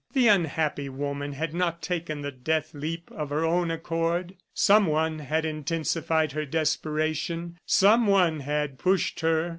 The unhappy woman had not taken the death leap of her own accord. Someone had intensified her desperation, someone had pushed her.